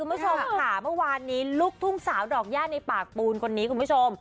คุณผู้ชมค่ะเมื่อวานนี้ลูกทุ่งสาวดอกย่าในปากปูนคนนี้คุณผู้ชม